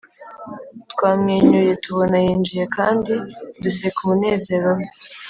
twamwenyuye tubona yinjiye kandi duseka umunezero we.